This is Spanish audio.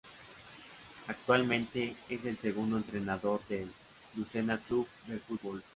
Actualmente es el segundo entrenador del Lucena Club de Fútbol.